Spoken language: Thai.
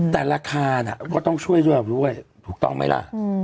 แต่ราคาน่ะก็ต้องช่วยเราด้วยถูกต้องไหมล่ะ